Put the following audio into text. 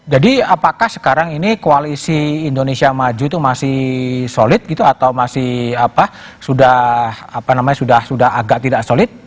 jadi apakah sekarang ini koalisi indonesia maju itu masih solid gitu atau masih apa sudah apa namanya sudah agak tidak solid